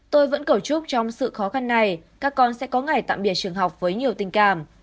tôi vẫn cầu chúc trong sự khó khăn này các con sẽ có ngày tạm biệt trường học với nhiều tình cảm